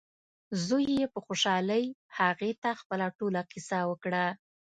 زوی یې په خوشحالۍ هغې ته خپله ټوله کیسه وکړه.